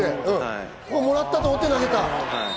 もらったと思って投げた。